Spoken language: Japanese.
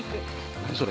何それ？